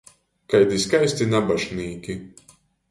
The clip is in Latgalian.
Kaidi skaisti nabašnīki!